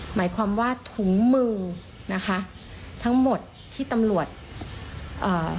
หมายความว่าถุงมือนะคะทั้งหมดที่ตำรวจเอ่อ